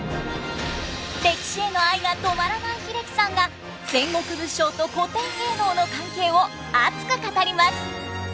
歴史への愛が止まらない英樹さんが戦国武将と古典芸能の関係を熱く語ります！